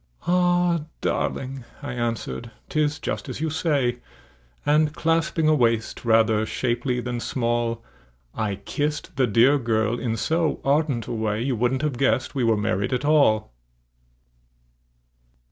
"Ah! darling," I answered, "'tis just as you say;" And clasping a waist rather shapely than small, I kissed the dear girl in so ardent a way You wouldn't have guessed we were married at all!